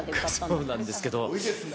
そうなんですけど。